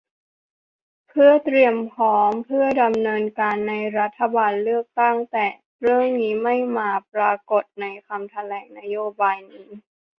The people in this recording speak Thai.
เพื่อเตรียมพร้อม เพื่อดำเนินการในรัฐบาลเลือกตั้ง แต่เรื่องนี้ไม่มาปรากฎในคำแถลงนโยบายนี้